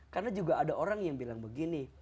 karena juga ada orang yang bilang begini